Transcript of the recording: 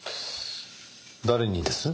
誰にです？